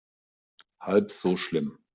Halb so schlimm.